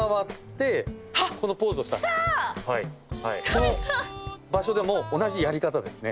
この場所でも同じやり方ですね。